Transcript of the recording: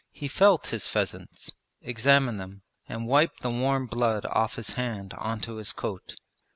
He felt his pheasants, examined them, and wiped the warm blood off his hand onto his coat.